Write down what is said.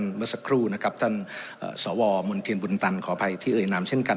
ท่านเมื่อสักครู่ท่านสวมบุญตันขออภัยที่เอ่ยนามเช่นกัน